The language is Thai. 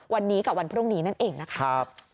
วันนี้กับวันพรุ่งนี้นั่นเองนะครับ